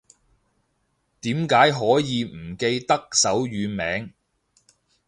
點解可以唔記得手語名